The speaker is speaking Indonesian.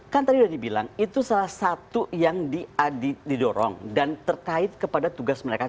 kan tadi udah dibilang itu salah satu yang didorong dan terkait kepada tugas mereka